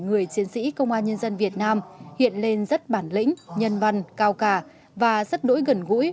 người chiến sĩ công an nhân dân việt nam hiện lên rất bản lĩnh nhân văn cao cả và rất đỗi gần gũi